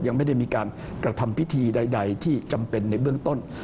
ยังไม่ได้มีการกระทำพิธีใดที่จำเป็นในเบื้องต้น